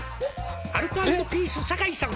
「アルコ＆ピース酒井さん